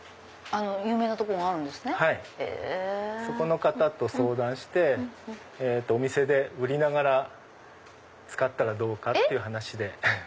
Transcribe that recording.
そこの方と相談してお店で売りながら使ったらどうか？って話で。